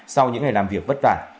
sau những ngày làm việc vất vả